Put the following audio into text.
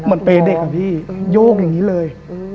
เหมือนเปรย์เด็กกับพี่โยกอย่างนี้เลย